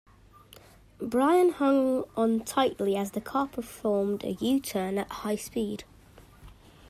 Brian hung on tightly as the car performed a U-turn at high speed.